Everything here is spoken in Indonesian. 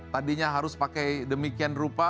tadinya harus pakai demikian rupa